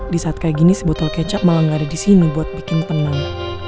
di saat kayak gini sebotol kecap malah gak ada di sini buat bikin tenang